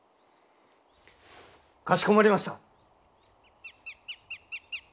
かしこまりました。